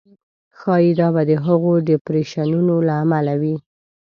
ښایي دا به د هغو ډېپریشنونو له امله وي.